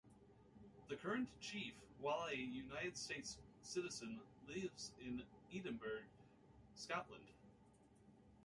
The current chief, while a United States citizen, lives in Edinburgh, Scotland.